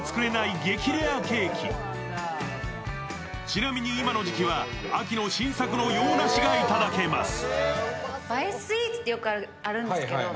ちなみに今の時期は秋の新作の洋梨がいただけます。